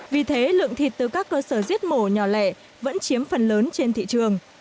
vì thế lượng thịt từ các cơ sở giết mổ nhỏ lẻ vẫn chiếm phần lớn trên thị trường